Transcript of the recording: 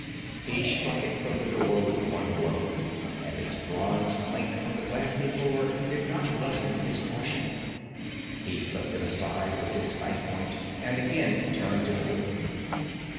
He struck it from the door with one blow, and its bronze clink on the glassy floor did not lessen his caution. He flipped it aside with his knife point, and again turned to the door.